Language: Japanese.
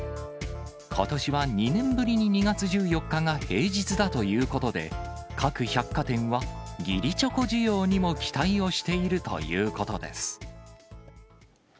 ことしは２年ぶりに２月１４日が平日だということで、各百貨店は義理チョコ需要にも期待をしているということです。